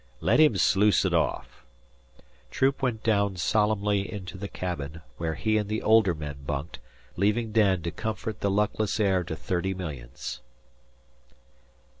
Let him sluice it off!" Troop went down solemnly into the cabin, where he and the older men bunked, leaving Dan to comfort the luckless heir to thirty millions.